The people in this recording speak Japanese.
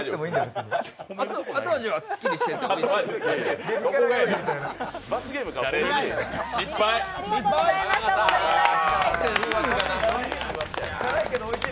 後味はすっきりしてておいしい。